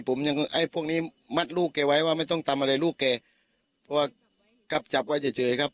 ผมยังไอ้พวกนี้มัดลูกแกไว้ว่าไม่ต้องทำอะไรลูกแกเพราะว่ากลับจับไว้เฉยเฉยครับ